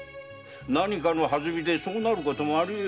何かのはずみでそうなることもあり得よう。